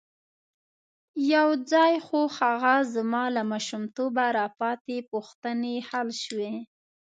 یو ځای خو هغه زما له ماشومتوبه را پاتې پوښتنې حل شوې.